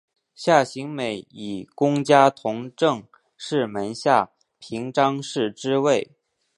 夏行美以功加同政事门下平章事之位。